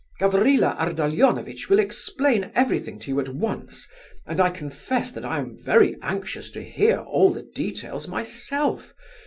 Gavrila Ardalionovitch will explain everything to you at once, and I confess that I am very anxious to hear all the details myself.